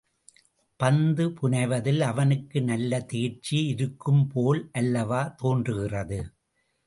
பந்து புனைவதில் அவனுக்கு நல்ல தேர்ச்சி இருக்கும்போல் அல்லவா தோன்றுகிறது!